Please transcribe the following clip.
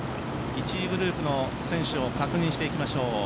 １位グループの選手を確認していきましょう。